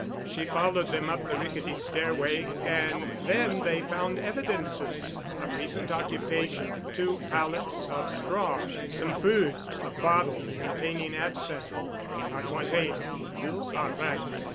She followed them up the rickety stairway and then they found evidences of recent occupation—two pallets of straw—some food—a bottle containing absinthe. "Mademoiselle, you are right.